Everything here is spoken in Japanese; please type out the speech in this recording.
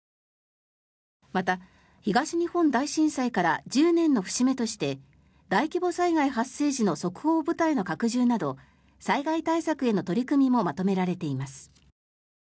また、東日本大震災から１０年の節目として大規模災害発生時の即応部隊の拡充など災害対策への取り組みもまとめられています。